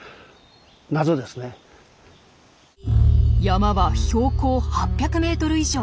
山は標高８００ｍ以上。